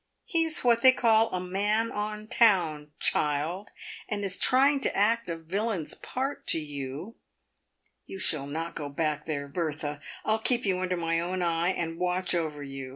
He is what they call a man on town, child, and is trying to act a villain's part to you. You shall not go back there, Bertha. I'll keep you under my own eye, and watch over you.